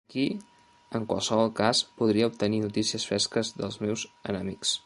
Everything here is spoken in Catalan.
Aquí, en qualsevol cas, podria obtenir notícies fresques dels meus enemics.